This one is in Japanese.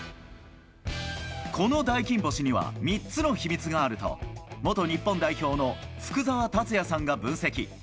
この大金星には３つの秘密があると、元日本代表の福澤達哉さんが分析。